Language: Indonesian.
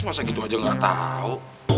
masa gitu aja ga tau